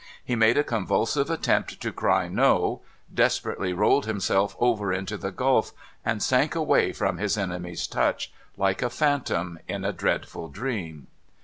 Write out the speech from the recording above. He made a convulsive attempt to cry ' No !' desperately rolled himself over into the gulf; and sank away from his enemy's touch, like a phantom in a dreadful dream.